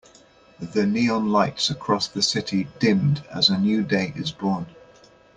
The neon lights across the city dimmed as a new day is born.